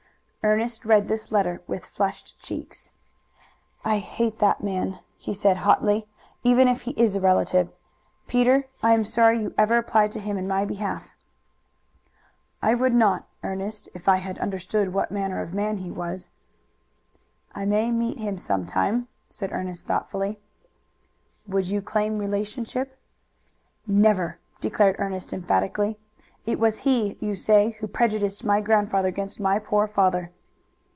Ernest read this letter with flushed cheeks. "I hate that man!" he said hotly, "even if he is a relative. Peter, I am sorry you ever applied to him in my behalf." "I would not, Ernest, if I had understood what manner of man he was." "I may meet him some time," said Ernest thoughtfully. "Would you claim relationship?" "Never!" declared Ernest emphatically. "It was he, you say, who prejudiced my grandfather against my poor father."